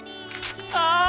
ああ！